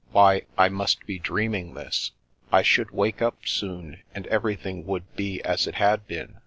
Why, I must be dreaming this. I should wake up soon, and everything would be as it had been.